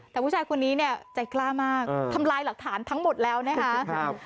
แต่ผู้ชายคนนี้เนี่ยใจกล้ามากทำลายหลักฐานทั้งหมดแล้วนะคะ